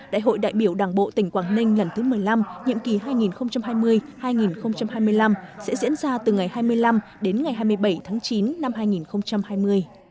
đại hội đại biểu đảng bộ tỉnh quảng ninh lần thứ một mươi năm nhiệm kỳ hai nghìn hai mươi hai nghìn hai mươi năm sẽ diễn ra từ ngày hai mươi năm đến ngày hai mươi bảy tháng chín năm hai nghìn hai mươi